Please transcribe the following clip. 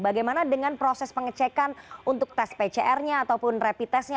bagaimana dengan proses pengecekan untuk tes pcr nya ataupun rapid testnya